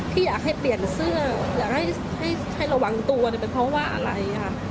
พี่อยากให้เปลี่ยนเสื้ออยากให้ระวังตัวมันเพราะว่าอะไร